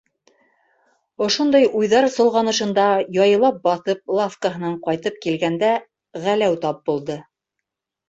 Ошондай уйҙар солғанышында яйлап баҫып лавкаһынан ҡайтып килгәндә Ғәләү тап булды.